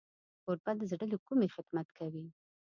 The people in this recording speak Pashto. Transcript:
کوربه د زړه له کومي خدمت کوي.